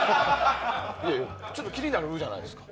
いや、気になるじゃないですか。